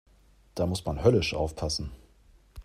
Da muss man höllisch aufpassen.